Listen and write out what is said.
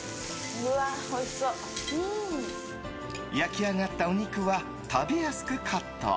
焼き上がったお肉は食べやすくカット。